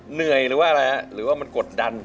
เหนื่อยหรือว่าอะไรฮะหรือว่ามันกดดัน